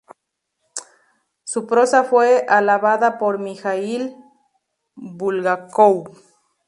Su prosa fue alabada por Mijaíl Bulgákov.